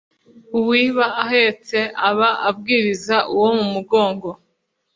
uwiba ahetse aba abwiririza uwo mu mugongo